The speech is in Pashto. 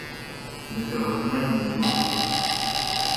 د ګورنر مېلمه وم.